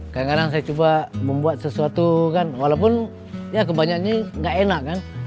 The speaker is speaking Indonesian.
kadang kadang saya coba membuat sesuatu walaupun ya kebanyakan tidak enak